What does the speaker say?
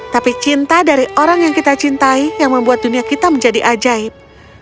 tapi cinta dari orang yang kita cintai yang membuat dunia kita menjadi ajaib